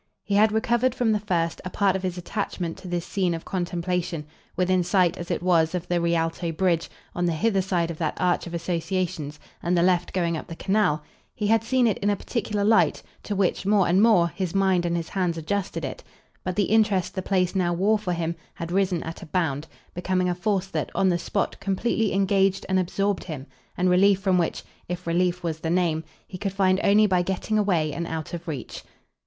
He had recovered from the first a part of his attachment to this scene of contemplation, within sight, as it was, of the Rialto bridge, on the hither side of that arch of associations and the left going up the Canal; he had seen it in a particular light, to which, more and more, his mind and his hands adjusted it; but the interest the place now wore for him had risen at a bound, becoming a force that, on the spot, completely engaged and absorbed him, and relief from which if relief was the name he could find only by getting away and out of reach.